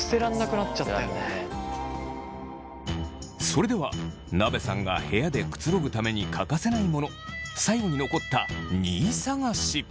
それではなべさんが部屋でくつろぐために欠かせないモノ最後に残った２位探し。